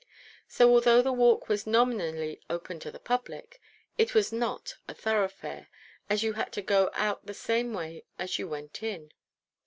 So, although the Walk was nominally open to the public, it was not a thoroughfare, as you had to go out the same way as you went in.